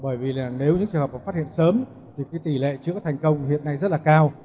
bởi vì nếu những trường hợp phát hiện sớm thì tỷ lệ chữa thành công hiện nay rất là cao